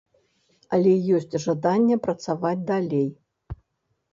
Але ёсць жаданне працаваць далей.